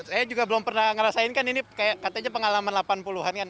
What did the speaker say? saya juga belum pernah ngerasain kan ini katanya pengalaman delapan puluh an kan